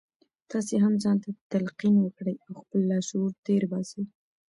تاسې هم ځان ته تلقين وکړئ او خپل لاشعور تېر باسئ.